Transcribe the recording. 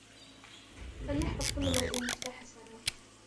فَلْيَحْفَظْ كُلُّ امْرِئٍ مِفْتَاحَ سِرِّهِ